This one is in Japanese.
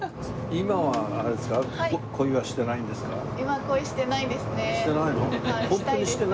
今は恋してないですね。